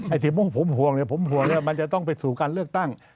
ไอ้ที่มุ่งผมห่วงผมห่วงเลยว่ามันจะต้องไปสู่การเลือกตั้ง